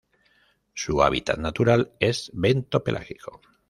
Su hábitat natural es bentopelágico.